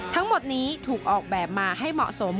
ทั้งหมดนี้ถูกออกแบบมาให้เหมาะสม